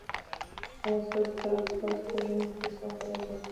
هغه څوک چې تاسو په ژوند کې یې سخت حالات جوړ کړل.